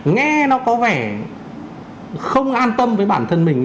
nghe nó có vẻ không an tâm với bản thân mình